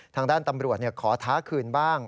ทางด้านตำรวจขอท้าคืนบ้าง